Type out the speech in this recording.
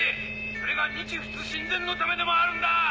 それが日仏親善のためでもあるんだ！